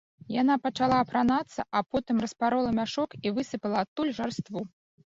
Яна пачала апранацца, а потым распарола мяшок і высыпала адтуль жарству.